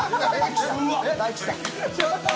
大吉さん。